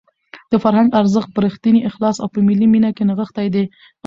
د فرهنګ ارزښت په رښتیني اخلاص او په ملي مینه کې نغښتی دی.